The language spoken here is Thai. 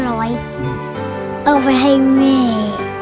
เอาไปให้แม่